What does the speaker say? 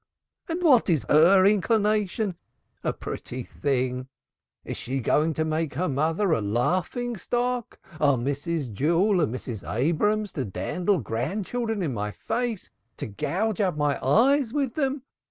"And what is her inclination? A pretty thing, forsooth! Is she going to make her mother a laughing stock! Are Mrs. Jewell and Mrs. Abrahams to dandle grandchildren in my face, to gouge out my eyes with them!